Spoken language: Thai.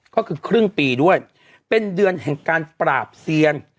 ก็คือครึ่งปีด้วยเป็นเดือนแห่งการปราบเซียน